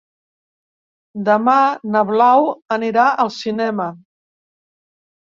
Demà na Blau anirà al cinema.